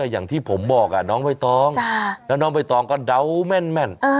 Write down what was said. อย่างที่ผมบอกน้องใบตองแล้วน้องใบตองก็เดาแม่น